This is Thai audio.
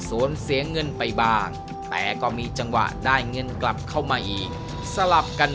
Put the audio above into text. สวนเสียเงินไปบ้างแต่ก็มีจังหวะได้เงินกลับเข้ามาอีกสลับกัน